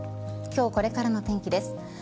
今日これからの天気です。